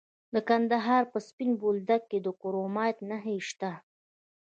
د کندهار په سپین بولدک کې د کرومایټ نښې شته.